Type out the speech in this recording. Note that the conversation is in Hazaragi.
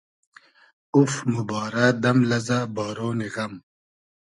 اوف! موبارۂ دئم لئزۂ بارۉنی غئم